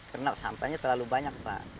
karena sampahnya terlalu banyak pak